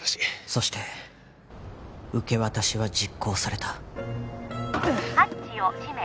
そして受け渡しは実行されたハッチを閉め